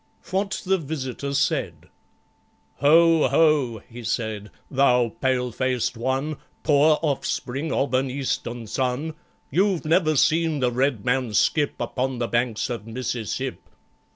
What the Visitor said "Ho, ho!" he said, "thou pale faced one, Poor offspring of an Eastern sun, You've never seen the Red Man skip Upon the banks of Mississip!"